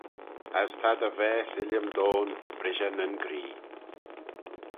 As ta dty vaase, Illiam Dhone, brishey nyn gree!